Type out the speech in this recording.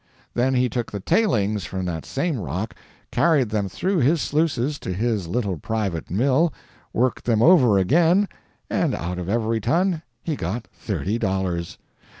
Then he took the "tailings" from that same rock, carried them through his sluices to his little private mill, worked them over again, and out of every ton he got thirty dollars!